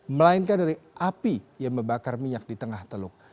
melainkan dari api yang membakar minyak di tengah teluk